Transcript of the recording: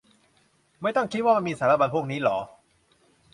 ไม่ต้องคิดว่ามันมีสารบัญพวกนี้หรอ